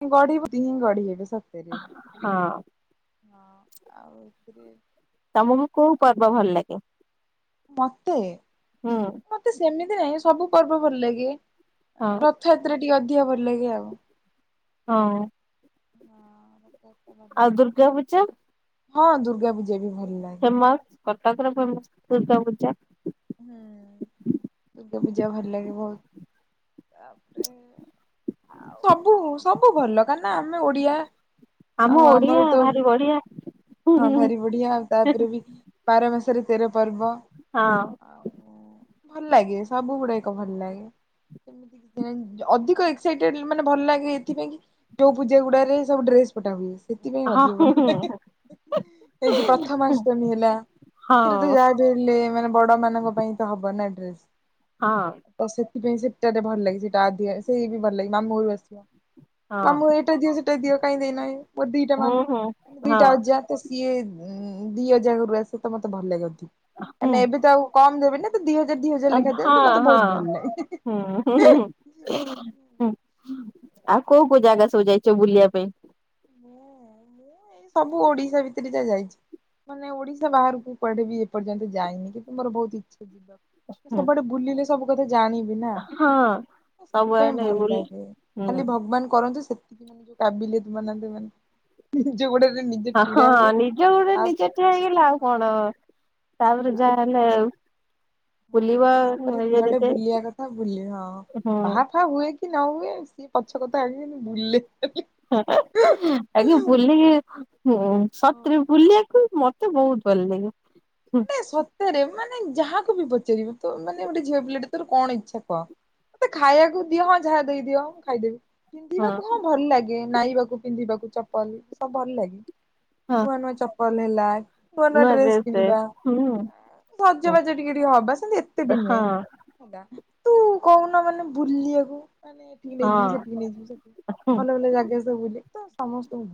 [unintelligible] ହେବେ ସତରେ ହଁ ହଁ ଆଉଥିରେ ତମକୁ କୋଉ ପର୍ବ ଭଲ ଲାଗେ? ମତେ? ହୁଁ ମତେ ସେମି ନାଇଁ ସବୁ ପର୍ବ ଭଲ ଲାଗେ। ହଁ ରଥଯାତ୍ରା। ଟିକେ ଅଧିକ ଭଲଲାଗେ ଆଉ। ହଁ। ଆଉ ଦୁର୍ଗା ପୂଜା? ହଁ ଦୁର୍ଗା ପୂଜା ବି ଭଲ ଲାଗେ। କଟର ଫେମସ୍ ଦୁର୍ଗା ପୂଜା। ହୁଁ ଦୁର୍ଗା ପୂଜା ଭଲ ଲାଗେ ବହୁତ ତାପରେ ସବୁ ସବୁ ଭଲ କାନା ଆମେ ଓଡିଆ ଆମ ଆଉ ଓଡିଆ ଆମର ତ ଭାରି ବଢିଆ ହୁଁ ହଁ ହୁଁ ହୁଁ ଭାରି ବଢିଆ ଆଉ ତାପରେ ବି ବାର ମାସରେ ତେରପର୍ବ। ହଁ ଆଉ ଭଲ ଲାଗେ ସବୁ ଗୁଡା ଏକ ଭଲ ଲାଗେ ଏନ୍‌ ଅଧିକ ଏକସାଇ ଡେଲ୍ ମାନେ ଭଲ ଲାଗେ ଏଥିପାଇଁ କି ଯୋଉ ପୂଜା ଗୁଡାରେ ସବୁ ଡ୍ରେସ ପଟା ହୁଏ। ସେଥିପାଇଁ ହଁ ଅଧିକ ହୁଁ ଭଲ ହୁଁ ଏଇ ଯୋଉ ପ୍ରଥମାଷ୍ଟମୀ ହେଲା। ଏଥିରେ ତ ହଁ। ଯାହାବି ହେଲେ ମାନେ ବଡ ମାନଙ୍କ ପାଇଁ ତ ହବ ନା। [unintelligible] ହଁ। ତ ସେଥିପାଇଁ ସେଟାରେ ଭଲ ଲାଗେ ସେଟା ଅଧିକାସେଇ ବି ଭଲ ଲାଗେ। [unintelligible] ହଁ ମାମୁ ଏଇଟା ଦିଅ ସେଟା ଦିଅ। କାଇଁ ଦେଇନାଇଁ। ମୋ ଦିଟା ହୁଁ ମାମୁ ହୁଁ ହଁ ଦିଟା ଅଜା ତ ସିଏ ଦି ଅଜା ଘରୁ ଆସେ ତ ମତେ ଭଲ ଲାଗେନି। ହୁଁ ମାନେ ଏବେ ତ ଆଉ କମ ଦେବେ ନି ନା। ହଁ ହଁ ଲାଗେ। ହୁଁ ହୁଁହୁଁହୁଁ। [unintelligible] ଆଉ କୋଉ କୋଉ ଜାଗା ସବୁ ଯାଇଚ ବୁଲିବା ପାଇଁ। ମୁଁ ସବୁ ଓଡିଶା ଭିତରେ ଯା ଯାଇଚି ମାନେ ଓଡିଶା ବାହାରକୁ କୁଆଡେ ବି ଏପର୍ଯ୍ୟନ୍ତ ଯାଇନି କିନ୍ତୁ ମୋର ବହୁତ ଇଚ୍ଛା ହୁଁ ସବୁଆଡେ ବୁଲିଲେ ସେ ସବୁ କଥା ଜା ଜାଣିବି ନା ହଁ ସେଥିପାଇଁ ସବୁଆଡେ ଭଲ ବୁଲି ଲାଗେ ହୁଁ ଖାଲି ଭଗବାନ କରନ୍ତୁ ସେତି [unintelligible] ନିଜ ଗୋଡରେ ହ ହଁ ନିଜ ଗୋଡେ ନିଜେ ତାପରେ ଠିଆ ହେଇଗଲେ ଆଉ ହଁ କଣ? ତାପରେ ଯା ହେଲେ ହୁଁ ତାପରେ ଯୁଆଡେ ବୁଲିଆ କଥା ବୁଲି ହଁ ହଁ ବାହା ଫାହା ହୁଏ। ନ ହୁଅ ସିଏ ପଛକଥା ଆଗେ ବୁଲେ। ଖାଲି। ଆଜ୍ଞା ବୁଲିକି ହୁଁ ସତ୍ରେ ବୁଲିବାକୁ ମତେ ବହୁତ ଭଲ ଲାଗେ। ହୁଁ ସତରେ ମାନେ ଯାହାକୁ ବି ପଚାରିବା ତ ମାନ ଗୋଟେ ଝଅ ପିଲାଟେ ତୋର କଣ ଇଚ୍ଛା କହ ମତେ ଖାଇବାକୁ ଦିଅ ହଁ ଯାହା ଦେଇଦିଅ ମୁଁ ଖାଇଦେବି। ପିନ୍ଧିବାକୁ ହଁ ଭଲ ଲାଗେ। ନାଇବାକୁ ପିନ୍ଧିବାକୁ ଚପଲ ସବୁ ଭଲ ଲାଗେ। ହଁ ନୂଆ ନୂଆ ଚପଲ। ଲେଲାଏ। ନୂଆ ନୂଆ ଡ୍ରେସ୍ ଡ୍ରେସ କିଣିବା। ହୁଁ ଭଜବାଜ ଟିକେ ଟିକେ ହବା ସେମତି ଏତେ ବି ନୁହେଁ ହଁ ହେଟା। ତୁ କହୁନ ମାନେ ବୁଲିବାକୁ। ମାନେ ଏଠିକି ନେଇଯିବି ହଁ ସେଠିକି ନେଇଯିବି ସେଠିକି ହୁଁ ଭଲ ଭଲ ଜାଗା ସବୁ ବୁଲି ତ। ସମସ୍ତଙ୍କୁ,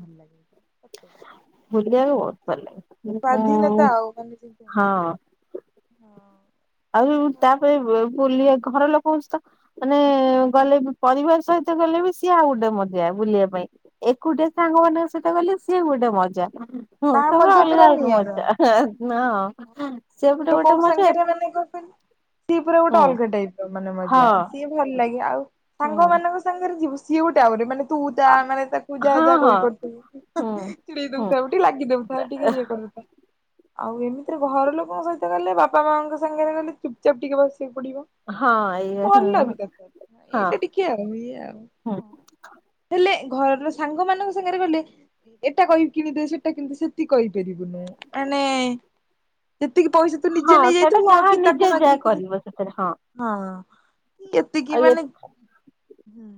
ବୁଲିବାକୁ ବହୁତ ଭଲଲାଗେ ସ୍ୱାଧୀନତା ଆଉ ମାନେ ଯେମିତି ହଁ ଆଉ ହଁ। ଆଉ ତାପରେ ବୁଲିବାକୁ। ଘର ଲୋକଙ୍କ ସହିତ ମାନେ ଗଲେ ବି ପରିବାର ସହିତ ଗଲେ ବି ସିଏ ଆଉ ଗୋଟେ ମଜା ବୁଲିବା ପାଇଁ ଏକୁଟିଆ ସାଙ୍ଗମାନାନଙ୍କ ସହିତ ଗଲେ ସିଏ ଗୋଟେ ମଜା। ହଁ ତା ସବୁ ମଜା ଅଲଗା ପୁରା ଅଲଗା ନିଆରା ମଜା। ନା। ସେ ଘର ଗୋଟେ ଗୋଟେ ଲୋକଙ୍କ ମଜା। ସାଙ୍ଗରେ ମାନେ କଣ କହିଲୁ ସିଏ ପୁରା ଗୋଟେ ହଁ ଅଲଗା ଟାଇପ୍। ମାନେ ହଁ ମଜା ସିଏ ଭଲ ଲାଗେ ଆଉ। ହୁଁ। ସାଙ୍ଗ ମାନଙ୍କ ସାଙ୍ଗେ। ଯିବ ସି ଗୋଟେ ଆଉ ଗୋଟେ ମାନେ। ତୁ ତା ମାନେ ତାକୁ ଯାହା ହଁ ଯାହା ହଁ କହିପାରୁଥିବୁ ହୁଁ ଚିଡେଇ ହୁଁ ଦଉଥାଉ ଟିକେ ଲାଗି ଦଉଥା ଟିକେ ଇଏ କରୁଥା। ଆଉ ଏମିତିରେ ଘର ଲୋକ। ଙ୍କ ସହିତ ଗଲେ ବାପା ମାଆଙ୍କ ସାଙ୍ଗରେ ଗଲେ ଚୁପଚାପ ଟିକେ ବସି। ପଡିବ ହଁ ଏଇ ଭଲ ହଁ ବି ତା ହଁ ଏଇଟା ଟିକେ ଆଉ ଇଏ ଆଉ ହୁଁ ହେଲେ। ଘରର ସାଙ୍ଗ ମାନଙ୍କ ସାଙ୍ଗରେ ଗଲେ ଏଟା କହିି କିଣିଦେ ସେଟା କିଣିଦେ ସେତିକି କହିପାରିବୁନୁ ମାନେ। ଟିକେ ପଇସା ତୁ ନିଜେ ହଁ ସେଇଟା ନେଇଯାଇଥୁିବୁ ଆ ଯାହା କି ତାକୁ ନିଜେ ଯାହା ମାଗିକି କରିବ ସେଥିରେ ହଁ ହଁ। ଏତିକି ମାନେ ହୁଁ।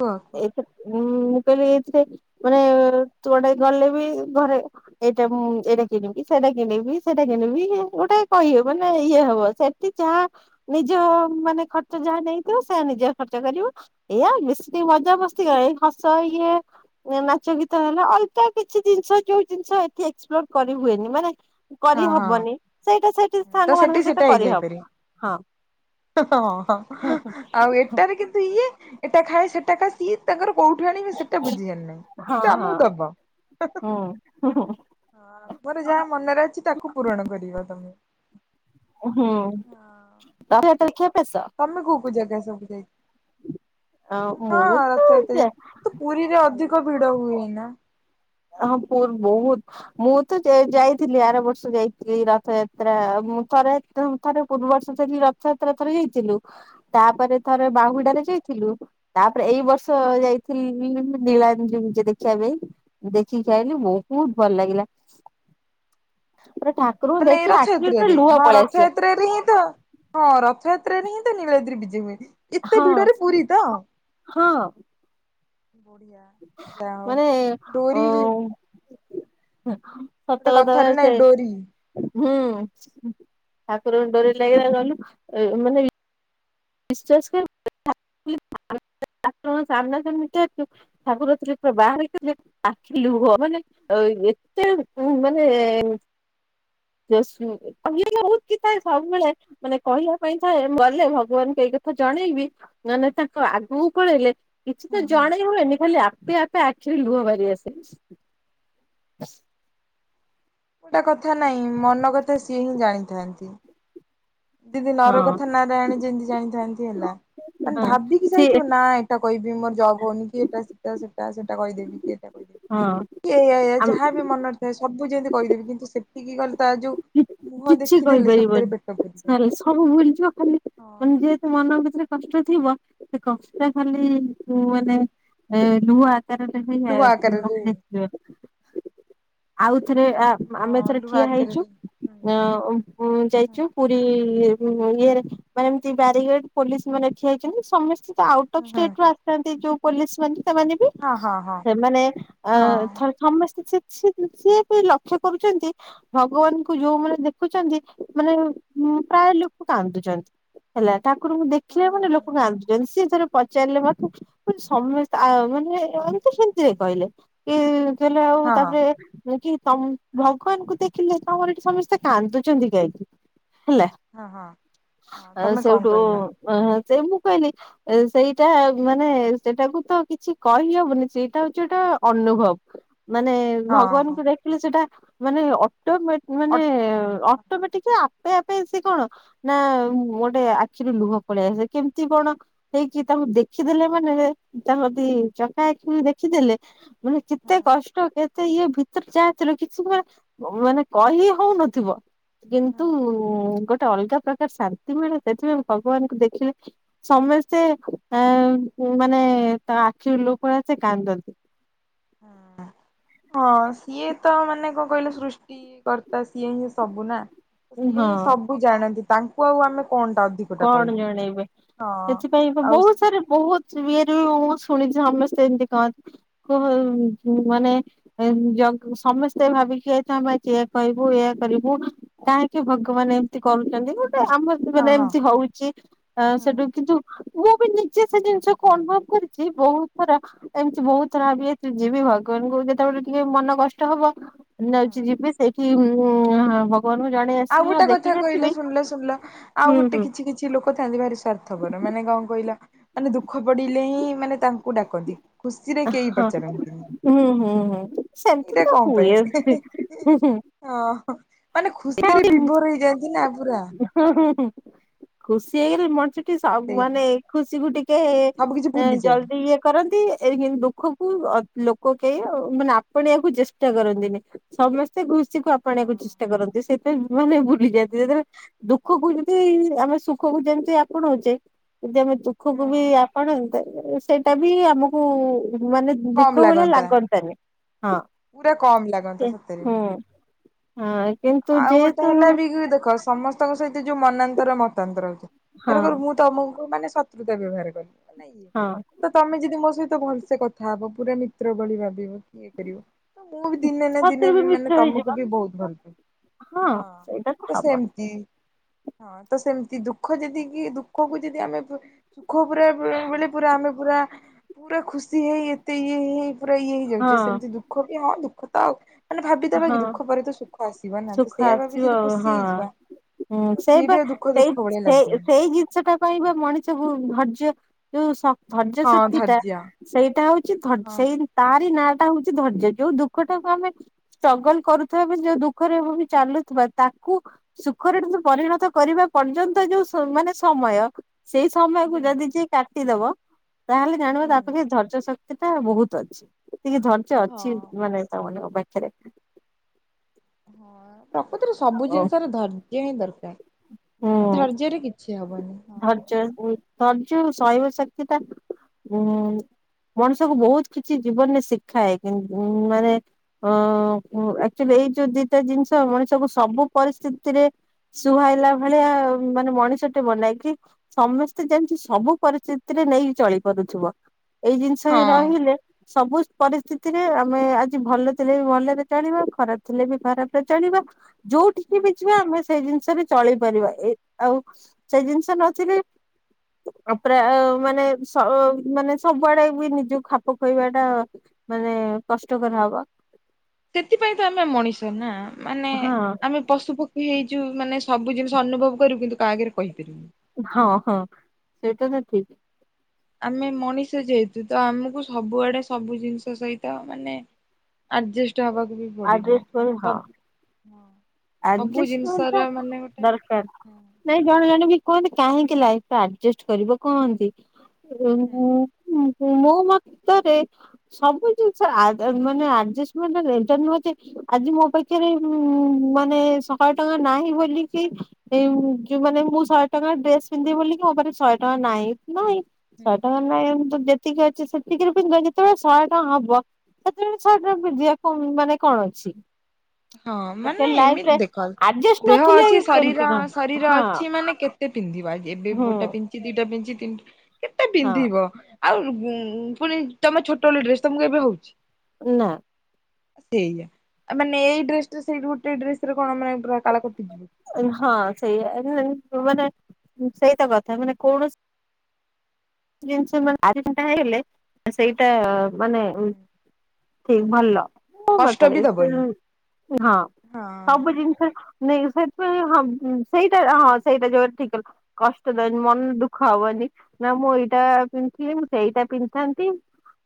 କୁହ କୁହ ଏତ। ଉଁ ମୁଁ କହିଲି ଏଇଥିରେ ମାନେ ତୁଆଟେ ଗଲେ ବି ଘରେ ଏଇଟା ମୁ ଏଇଟା କିଣିବି ସେଇଟା କିଣିବି ସେଇଟା କିଣିବି ଗୋଟେ କହିବ ମାନେ ଇଏ ହବ ସେଠି ଯାହା ନିଜ ମାନେ ଖର୍ଚ ଯାହା ନେଇଥିବ ସେୟ ନିଜ ଖର୍ଚ୍ଚ କରିବ ଏଇଆ ବେଶୀ। ମଜା ମସ୍ତି କରେ ଏ ହସ ଇଏ ନାଚ ଗୀତ ହେଲା ଅଲପା କିଛି ଜିନିଷ ଯୋଉ ଜିନିଷ ଏଠି ଏକ୍ସପ୍ଲୋର କରି ହୁଏନି ମାନେ। କରି ହଁ ହଁ ହବନି ସେଇଟା ସେଇ ତ ସେଠି ସେଟା ହେଇଯାଇପାରେ ହଁ ହଁ ଆଉ ଏଟାରେ କିନ୍ତୁ ଇଏ ଏଟା ଖାଏ ସେଟା ଖା ସିଏ ତାଙ୍କର କୋଉଠୁ ଆଣିବେ ସେଟା ବୁଝିଆର୍ ହଁ ନାହିଁ ତ ହଁ ଆମକୁ ଦବ। ହୁଁ ହୁଁ ମୋର ଯାହା ମନରେ ଅଛି ତାକୁ ପୂରଣ କରିବ ତମେ। ହୁଁ ତ ତମେ କଉ ପୂଜା କାଇ ଦେ ଅ ହଁ ମୁଁ ରଥ ଏତେ ତ ଯାଏ ତୁ ପୁରୀରେ ଅଧିକ ଭିଡ଼ା ହୁଏ ନା ହଁ ପର୍ ବହୁତ ମୁଁ ତ ଯାଇ ଯାଇଥିଲି ଆର ବର୍ଷ ଯାଇଥିଲି ରଥଯାତ୍ରା ମୁଁ ଥରେ ଥରେ ପୂର୍ବ ବର୍ଷ ରଥଯାତ୍ରା ଥରେ ଯାଇଥିଲୁ ତାପରେ ଥରେ ବାହୁଡାରେ ଯାଇଥିଲୁ ତା ଏଇ ବର୍ଷ ଯାଇଥିଲି ନୀଳାଦ୍ରିବିଜେ ଦେଖିବା ପାଇଁ ଦେଖିକି ଆଇଲିି ବହୁତ ଭଲ ଲାଗିଲା। ପୁରା ଠାକୁରଙ୍କୁ ମାନେ ଏଇ ଦେଖି ଆଖିରୁ ପୁରା ରଥଯାତ୍ରାରେ ଲୁହ ହଁ ପଳେଇ ଆସିଲା ରଥଯାତ୍ରରେ ହିଁ ତ ହଁ ରଥଯାତ୍ରା ତ୍ରାରେ ହିଁ ତ ନିଳାଦ୍ରୀ ବିଜେ ବିଜେ ହୁଏ। ଏତେ ହଁ ଭିଡରେ ପୁରୀ ତ ହଁ ବଢିଆ ଯା ହଉ ମାନେ ଅ ଡୋରି ସତ ଗୋଟେ କଥା ବା କଥାରେ ସେ ନାଇଁ ଡୋରି ହୁଁ ଠାକୁରଙ୍କ ଡୋରି ଲାଗିଲା ଗଲୁ ମାନେ ବିଶ୍ଵାସ କର ଠା୍ [inaudible] ଠାକୁରଙ୍କ ସାମ୍ନା ସାମ୍ନି ଯେହେତୁ ଠାକୁର ଥିଲେ ପୁରା ବାହାରି ଗଲେ ଆଖିରୁ ଲୁହ ମାନେ ଏତେ ମାନେ ରେ ବହୁତ କି ଥାଏ ସବୁବେଳେ ମାନେ କହିବା ପାଇଁ ଥାଏ ଗଲେ ଭଗବାନଙ୍କୁ ଏଇ କଥା ଜଣେଇବି ମାନେ ତାଙ୍କ ଆଗକୁ ପଳେଇଲେ କିଛି ତ ହୁଁ ଜଣେଇ ହୁଏନି ଖାଲି ଆ ସେ ଆପେ ଆଖିରୁ ଲୁହ ବାହାରି ଆସେ। ଗୋଟା କଥା ନାଇଁ ମନ କଥା ସିଏ ହିଁ ଜାଣିଥାନ୍ତି। ଯେମିତି ନର ହଁ କଥା ନାରାୟଣ ଯେମିତି ଜାଣିଥାନ୍ତି ହେଲା ମାନେ ହଁ ଭାବିବି କି ସେ ଯାଇଥିବ ନା ଏଟା କହିବି ମୋ ଜବ୍ ହଉନି କି ଏଇଟା ସେଟା ସେଟା ସେଟା କରିଦେବି କି ଏଟା ହଁ। କି ଏୟା ଏୟା ଯାହା ବି ମନରେ ଥାଏ ସବୁ ଯେମିତି କରିଦେବି କିନ୍ତୁ ସେତିକି ଗଲେ ତାର ଯୋଉ ମୁହଁ ଦେଖିଦେଲି ସତରେ ପେଟ ପୁରି ଖାଲି ସବୁ ଭୁଲିଯିବ ଖାଲି ମାନେ ଯେହେତୁ ମନ ଭିତରେ କ ସେ ଥିବ ସେ କଷ୍ଟା ଖାଲି କୋଉମାନେ ନୁଆ ଲୁହା ଆକାରରେ [unintelligible] ଆଉ ଏଥରେ ଆମେ ହଁ ଏଥରେ ଲୁହା ଠିଆ ହେଇଛୁ। ଆକାରରେ ହୁଁ ଅ ଯାଇଛୁ ହୁଁ ପୁରୀ। ଇଏରେ ମାନେ ଏମତି ବ୍ୟାରଗେଡ ପୋଲିସ ମାନେ ଠିଆ ହେଇଛନ୍ତି ସମସ୍ତେ। ଆଉଟ ଅଫ୍ ହୁଁ ଷ୍ଟେଟ ରୁ ଆସିନ୍ତି ଯୋଉ ପୋଲିସ ମାନେ ସେମାନେ ବି ହଁ ହଁ ହଁ ସେମାନେ ଅ ହଁ। ଥରେ ସମସ୍ତ ସେ ସି ବି ଲକ୍ଷ୍ୟ କରୁଛନ୍ତି ଭଗବାନ ଯୋଉମାନେ ଦେଖୁଛନ୍ତି ମାନେ ପ୍ରାୟ ଲୋକ କାନ୍ଦୁଛନ୍ତି ହେଲା। ଠାକୁରଙ୍କୁ ହୁଁ ଦେଖିଲା ହୁଁ ମାନେ ହୁଁ ଲୋକ କାନ୍ଦଧୁଛନ୍ତି। ପଚାରିଲେ ମେ ସମସ୍ତେ ମାନେ ଏତି ସେମତିରେ କହିଲେ କି ଲେ ଆଉ ହଁ ହଁ ତାପରେ କି ତ ଭଗବାନଙ୍କୁ ଦେଖିଲେ ତମର ଏଠି ସମସ୍ତେ କାନ୍ଦୁଛନ୍ତି କାଈକି? ହେଲା ହଁ ହଁ ହଁ ତମେ କଣ ସେଇଠୁ କହିଲ ଅ ସେ ମୁଁ କହିଲି ସେଇଟା ମାନେ ସେଇଟାକୁ ତ କିଛି କହିହବନି ସେଇଟା ହଉଛି ଗୋଟେ ଅନୁଭବ। ମାନେ ହଁ ହଁ ଭଗବାନଙ୍କୁ ଦେଖିଲେ ସେଟା ମାନେ ଅଟୋ ମେ ମାନେ ଅଟୋମେଟିକ ପପେ ସେ କଣ ନା ଗୋଟେ ଆଖିରୁ ଲୁହ ପଳେଇ ଆସ କେମିତି କଣ ହେଇକି ତାଙ୍କୁ ଦେଖିଦେଲେ ମାନେ ତାଙ୍କ ଯଦି ଚକା ଆଖି ଦେଖିଦେଲେ ମାନେ କେତେ ଅଟ କଷ୍ଟ କେ ମତେ ଇଏ ଭିତରେ ଯାଇଥିଲ କି ମାନେ ମାନେ କହି ହଉନଥିବ। କିନ୍ତୁ ଗ ଗ ଅଲଗା ପ୍ରକାର ଶାନ୍ତି ମିଳେ ସେଥିପାଇଁ ଭଗବାନଙ୍କୁ ଦେଖିଲେ ସମସ୍ତେ ଆ ମାନେ ତା ଆଖିରୁ ଲୁହ ପଳେଇ ଆସେ କାନ୍ଦନ୍ତି। ହଁ ହଁ ସିଏ ତ ମାନେ କଣ କହିଲେ ସୃଷ୍ଟିିକର୍ତ୍ତା ସିଏ ହିଏ ସବୁ ନା ସିଏ ହଁ ହିଁ ସବୁ ଜାଣନ୍ତି। ତାଙ୍କୁ ଆଉ ଆମେ କଣଟା ଅଧିକଟା କଣ କହିବୁ। ଜଣେଇବେ ହଁ ସେଥିପାଇଁ ଆଉ ବହୁତ ସାରା ବହୁତ ମୁଁ ଶୁଣିଛି ସମସ୍ତେ ଏମତି କନ୍ତି ମାନେ ସମସ୍ତେ ଭାବିକି ଯାଇଥା କହିବୁ ଇ କରିବୁ କାହିଁକି ଭଗବାନ ଏମିତି କରୁଛନ୍ତି। ଆମ ମାନେ ହଁ ହଁ ଏମତି ହଉଛି ହୁଁ ସେଠୁ କିନ୍ତୁ ମୁଁ ବି ନିଜେ ସେ ଜିନିଷ କ ଅନୁଭବ କରିଛି ବହୁତ ଥର ଏମିତି ବହୁତ ଥର ଭାବିି ଯିବି ଭଗବାନଙ୍କୁ ଯେତେବେଳେ ଟିକେ ମନ କଷ୍ଟ ହବ ହୁଁ। ନେଉଛି ଯିବି ସେଇଠି [unintelligible] ଆଉ ଆସିବି ହଁ ଗୋଟେ କଥା ଦେଖିକି କହିଲ ଆସିବି ଶୁଣିଲ ଶୁଣିଲ ଆଉ ହୁଁ ଗୋଟେ ହୁଁ କିଛି କି କିଛି ଲୋକ ଥାଆନ୍ତି ଭାରି ସ୍ଵାର୍ଥପର ମାନେ କଣ କହି ମାନେ ଦୁଃଖ ପଡିଲେ ହିଁ ମାନେ ତାଙ୍କୁ ଡାକନ୍ତି। ଖୁସିରେ କେହି ହଁ ପଚାରନ୍ତିନି ହୁଁ ହୁଁ ହୁଁ। ସେମତି ଏଇଟା ତ କଣ ପାଇଁ ହୁଏ। ହୁଁ ହୁଁ ହୁଁ। ହଁ। ମାନେ ଖୁସିରେ ବିଭୋର ହେଇଯାଆନ୍ତି ନା ପୁରା। ହୁଁ ହୁଁ ଖୁସି ହେଇଗଲେ ମଣିଷଟି ସବୁ ସେଇ ମାନେ ଖୁସିକୁ ଟିକେ ସବୁ କିଛି ଭୁଲିଯାଏ। ଜଲଦି ଇଏ କରନ୍ତି ଏଇ ଯେମିତି ଦୁଃଖକୁ ଲୋକ କେହି ମାନେ ଆପଣେବାକୁ ଚେଷ୍ଟା କରନ୍ତିନି ସମସ୍ତେ ଆପଣେଇବାକୁ ଚେଷ୍ଟା ହଁ। କରନ୍ତି। [unintelligible] ମାନେ ଭୁଲିଯାଆନ୍ତି ଯେତେବେଳେ ଦୁ ସୁଖକୁ ଯେମିତି ଆମେ ସୁଖକୁ ଯେମିତି ଆପଣଉଚେ ଯଦି ଆମେ ଦୁଃଖକୁ ବି ହଁ ଆପଣ ସେଇଟା ବି ଆମକୁ ମାନେ ଦୁଃଖ କମ ଭଳିଆ ଲାଗନ୍ତା ଲାଗନ୍ତାନି ହଁ ପୁରା କମ ଲାଗନ୍ତା ସତରେ। ହୁଁ। ହଁ। କିନ୍ତୁ ଆଉ ଗୋଟେ ଯେହେତୁ ହେଲା ବି ଦେଖ ସମସ୍ତ ତାଙ୍କ ସହିତ ଯୋଉ ମନାନ୍ତର ମତାନ୍ତର ହଁ [unintelligible] ମୁଁ ତ ମାନେ ସତ୍ [unintelligible] ବ୍ୟବହାର କରେ ହଁ। ନାଇଁ ତମେ ଯଦି ମୋ ସହିତ ତ ଭଲସେ କଥା ହବ ପୁରା ମିତ୍ର ଭଳି ଭାବିବ କି ଇଏ କରିବ ତ ମୁଁ ବି ଦିନେ ନା ଦିନେ ସତରେ ବି ମିଠା ମାନେ ହେଇଯିବ। ତମକୁ ବି ବହୁତ ଭଲପାଇବି। ହଁ ତ ସେମତି ହଁ ତ ସେମିତି ଦୁଃଖ ଯଦି କି ଦୁଃଖକୁ ଯଦି ଆମେ ସୁଖ ପୁରା ବେଳେ ପୁରା ଆମେ ପୁରା ପୁରା ଖୁସି ହେଇ ଏତେ ଇଏ ହେଇ ପୁରା ଇଏ ହେଇଯାଉଛେ ହଁ ସେମିତି ଦୁଃଖ ବି ହାଁ ଦୁଃଖ [unintelligible] ମାନେ ଭାବିଦବା ହଁ କି ଦୁଃଖ ପରେ ତ ସୁଖ ଆସେ ସୁଖ ଆସିବ ଆଉ ହଁଁ ତ ସେଇ ସିଏ ବି ଆଉ ଦୁଃଖ ସେଇ ଦୁଃଖ ଭଳିଆ ସେ ଲାଗିବନି। ସେଇ ଜିନିଷ ଟା ପାଇଁ ବା ମଣିଷ ଧର୍ଯ୍ୟ ଏ ଯୋଉ ସ ଧୈର୍ଯ୍ୟ ହଁ ଶକ୍ତି ଟା ଧୈର୍ଯ୍ୟ। ସେଇଟା ହଉଛି। ଧର୍ ହଁ ସେଇ ତାରି ନାଁ ଟା ହଉଛି ଧୈର୍ଯ୍ୟ ଯୋଉ ଦୁଃଖ ଟାକୁ ଆମେ। ଷ୍ଟ୍ରଗଲ କରୁଥିବା। ବି ଯୋଉ ଦୁଃଖରେ ହୋଉ ଚାଲୁଥିବା। ତାକୁ ସୁଖରେ କିନ୍ତୁ କରିବା ପର୍ଯ୍ୟନ୍ତ ଯୋଉ ସ ମାନେ ସମୟ ସେଇ ସମୟ କୁ ହୁଁ ଯଦି ଯିଏ କାଟ୍ ଟିଦେବ। ତାହେଲେ ଜାଣିବା ହୁଁ। ତାର ତକି ଧର୍ଯ୍ୟ ଶକ୍ତି। ସେଟା ବହୁତ ଅଛି। ଟିକେ ଧୈର୍ଯ୍ୟ ଅଛି ହଁ। ମାନେ ତା ମାନେ ମୋ ପାଖେ। ଖରେ। ହଁଆଉ। ପ୍ରକୃତରେ ସବୁ ଜିନିଷ ର ଧୈର୍ଯ୍ୟ ହିଁ ଦରକାର। ବିନା ହୁଁ। ଧୈର୍ଯ୍ୟରେ କିଛି। ହବନି ହଁ। ଧର୍ଯ୍ୟ ଆଉ ଶୈବ ଶକ୍ତି ଟା ଉଁ ମଣିଷକୁ ବହୁତ କିଛି ଜୀବନରେ ଶିଖାଏ। କିନ୍ତୁ ମାନେ ଅ ଆକ୍ଚୁଆଲି ଏଇ ଯୋଉ ଦିଟା ଜିନିଷ। ମଣିଷକୁ ସବୁ ପରିସ୍ଥିତିରେ ସୁହାଇଲା ଭଳିଆ ମାନେ ମଣିଷ କୁ ଗୋଟେ ବନେଇକି ସମସ୍ତେ ଯେମିତି ସବୁ ପରିସ୍ଥିତିରେ ନେଇକି ଚଳି ପାରୁଥିବ। ଏଇ ଜିନିଷ ବି ହଁ। ରହିଲେ। ସବୁ ପରିସ୍ଥିତିରେ ଆମେ ଆଜି ଭଲ ଥିଲେ ବି ଭଲରେ ଚଳିବା ଖରାପ ଥିଲେ ବି ଖରାପରେ ଚଳିବା। ଯୋଉଠିକି ହୁଁ। ବି ଯିବା ଆମେ ସେଇ ଜିନିଷରେ ଚଳେଇ ପାରିବା ଏଇ ଆଉ। ସେ ଜିନିଷ ନଥିଲେ ପ୍ରା ମାନେ ସ ମାନେ ସବୁଆଡେ ବି ନିଜ ଖାପ ଖୁଆଇବା ଟା ମାନେ କଷ୍ଟକର ହବ। ସେଥିପାଇଁ ତ ଆମେ ମଣିଷ ନା। ମାନେ ହଁ ଆମେ ପଶୁ ପକ୍ଷୀ ହେଇ ଯଉ ମାନେ ସବୁ ଜିନିଷ ଅନୁଭବ କରିବୁ। କିନ୍ତୁ କାହା ଆଗରେ କହିପାରିବୁନି। ହଁ ହଁ ସେଇଟା ତ ଠିକ୍। ଆମେ ମଣିଷ ଯେହେତୁ ତ ଆମକୁ ସବୁଆଡେ ସବୁ ଜିନିଷ ସହିତ ମାନେ ଆଜେଷ୍ଟ୍ ହେବାକୁ ବି ପଡିବ ମାନେ ସବ୍ ହଁ। ସବୁ ଆଜଷ୍ଟମେନଟ ଟା ଜିନିଷର ମାନେ ଗୋଟେ ଦରକାର। ହଁ ନାଇ ଜଣେ ଜଣ ବି ହଁ କୁହନ୍ତି କାହିଁକି ଲାଇ ତ ଆଜେଷ୍ଟ କରିବ କହନ୍ତି। ହୁଁ [unintelligible] ମୋ ମତରେ ସବୁ ଜିନିଷ ଆ ଜ ମାନେ ଆଜସମେଣ୍ଟ ଏଟା ନୁହେଁ ଯେ ଆଜି ମୋ ପାଖରେ ମାନେ ଶହେ ଟଙ୍କା ନାହିଁ ବୋଲିକି। ଏ ଯୋଉ ମାନେ ମୁଁ ଶହେ ଟଙ୍କା ଡ୍ରେସ ପିନ୍ଧିବି ବୋଲିକି। ମୋ ପାଖରେ ଶହେ ଟଙ୍କା ନାହିଁ। ନାଇଁ ହୁଁ। ଶହେ ଟଙ୍କ ନାଇଁ ଯେତିକି ଅଛି ସେ ସେତିକିରେ ପିନ୍ଧିବ। ଯେତେବେଳେ ଶହେ ଟଙ୍କା ହବ ସେତେବେଳେ ଶହେ ଟଙ୍କା ପିନ୍ଧିବା କ ମାନେ କଣ ଅଛି। ହଁ ମାନେ ଆକ୍ଚୁଆଲି ଏମି ଲାଇଫରେ ଦେଖ ଆଡଜଷ୍ଟ ଦେହ ନଥିଲେ ଅଛି କେମିତି ଶରୀର କଣ ଶରୀର ହଁ ଅଛି ମାନେ କେତେ ପିନ୍ଧିବା ଏବେ ହୁଁ ଗୋଟେ ପିନ୍ଧିଚି ଦିଟା ପିନ୍ଧିଚି କି [unintelligible] କେତେ ହଁ ପିନ୍ଧିବ। ଆଉ ଉ ପୁଣି ତମେ ଛୋଟବେଳେ ଡ୍ରେସ ତମକୁ ଏବେ ହଉଚି। ନା। ସେଇୟା ମାନେ [unintelligible] ଏଇ ଡ୍ରେସ୍ ଟାରେ ସେଇ ଗୋଟେ ଡ୍ରେସରେ କଣ ମାନେ ପୁରା କାଳ କଟିଯିବ ହଁ ସେଇୟା ମାନେ ସେଇତ କଥା ମାନେ କୌଣସି ଜିନିଷ ମ [unintelligible] ଆଠୁଟା ହେଇଗଲେ ସେଇଟା ମାନେ ଉ ସେ ଭଲ। ମୋ କଷ୍ଟ ମତରେ ବି ଦବନି ହଁ ହଁ। ସବୁ ଜିନିଷ ନାଇଁ ସେଥିପାଇଁ ହଁ ସେଇଟା ହଁ ସେଇଟା ଯୋଉଟା ଠିକ କହିଲ କଷ୍ଟ ଦବନି ମନ ଦୁଃଖ ହବନି। ନା ମୁଁ ଏଇ ଏଇଟା ପିନ୍ଧିଥିଲି ମୁଁ ସେଇଟା ପିନ୍ଧଥାନ୍ତି।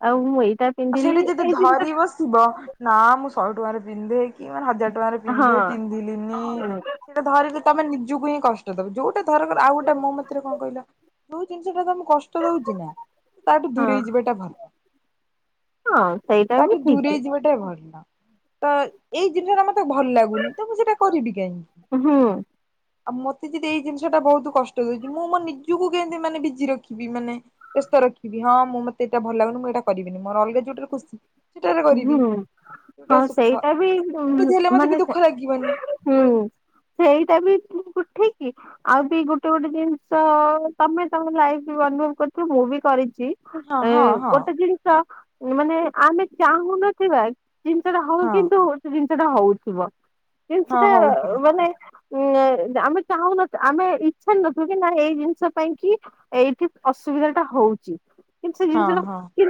ଆଉ ମୁଁ ଏଇ ଆଉ ପିନ୍ଧିଲି ସେଇଠି ଯଦି ଜିନିଷ ଧରି ବସିବ ନା ମୁଁ ସ ପିନ୍ଧେଇ କି [unintelligible] କି ମାନ ହଜାର ଟଙ୍କାରେ ହଁ ପିନ୍ଧେ ପିନ୍ଧିଲିନି ସେଇଟା ଧରିକି ତମେ ନିଜକୁ ହିଁ କଷ୍ଟ ଦବ। ଯୋଉଟା ଧର ଆଉ ଗୋଟେ ମୋ ମତରେ କଣ କହିଲ ଯଉ ଜିନିଷ ଟା ତମକୁ କଷ୍ଟ ଦଉଛି ନା ତାଠୁ ହଁ ଦୂରେଇ ଯିବାଟା ଭଲ। ହଁ ସେଇଟା ତାଠୁ ବି ଦୂରେଇ ଠିକ୍। ଯିବାଟା ଭଲ ତ ଏଇ ଜିନିଷଟା ମତେ ଭଲ ଲାଗୁନି ତ ମୁଁ ସେଇଟା କରିବି କାହିଁକି? ହୁଁ ଆଉ ମତେ ଯଦି ଏଇ ଜିନିଷ ଟା ବହୁତ କଷ୍ଟ ଦଉଚି ମୁଁ ମୋ ନିଜକୁ କେମିତି ମାନେ ବିଜି ରଖିବି। ମାନେ ବ୍ୟସ୍ତ ରଖିବି ହଁ ମୁଁ ମତେ ଏଇଟା ଭଲ ଲାଗୁନି ମୁଁ ଏଇଟା କରିବି। ମୁଁ ମୋର ଅଲଗା [unintelligible] ଜୋଟରେ ଖୁସି ସେଟାରେ କରିବି ହୁଁ ହଁ ଯୋଉଟା ସୁଖ ସେଇଟା ବି ଏମିତି ହେଲେ ମତେ ବି ମାନେ ଦୁଃଖ ଲାଗିବନି ହୁଁ ସେଇଟା ବି ଠିକ କି ଆଉ ବି ଗୋଟେ ଗୋଟେ ଜିନିଷ ତମେ ତମର ଲାଇଫ ବି ଅନୁଭବ କରୁଥିବ ମୁଁ ବି କରିଚି। ହଁ ହଁ ସେଇ ହଁ ଗୋଟେ ଜିନିଷ ମାନେ ଆମେ ଚାହୁଁନଥିବା ଇ ଜିନିଷଟା ହଉ ହଁ କିନ୍ତୁ ଜ ସେଇଟା ହେଉଥିବ। ଜିନିଷ ହଁ ଟା ହଉଥିବ ମାନେ ଉଁ ଆମେ ଚାହୁଁନଥିବା ଆମେ ଇଚ୍ଛା ନଥିବ କି ନା ଏଇ ଜିନିଷ ପାଇଁ କି ଏଇଠି ଅସୁବିଧା ଟା ହଉଛି। କି ହଁ ଜିନିଷ ହଁ। ଟା